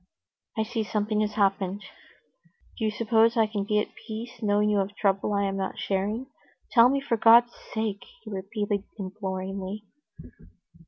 "I see something has happened. Do you suppose I can be at peace, knowing you have a trouble I am not sharing? Tell me, for God's sake," he repeated imploringly.